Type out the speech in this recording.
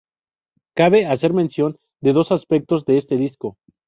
Cabe hacer mención de dos aspectos de este disco.